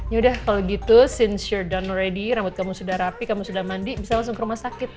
ya udah kalau gitu since you're done already rambut kamu sudah rapi kamu sudah mandi bisa langsung ke rumah sakit